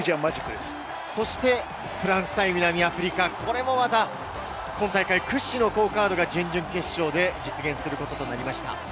そしてフランス対南アフリカもまた今大会屈指の好カードが準々決勝で実現することになりました。